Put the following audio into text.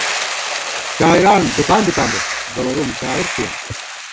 شاعران ݫُپان دِتاں بہ ، گوَرُوم شاعر تھِیاں